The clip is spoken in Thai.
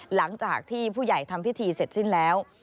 หลังจากที่ผู้ใหญ่ทำพิธีเสร็จสิ้นแล้ว